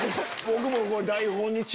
僕も。